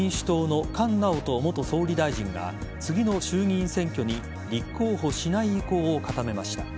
立憲民主党の菅直人元総理大臣が次の衆議院選挙に立候補しない意向を固めました。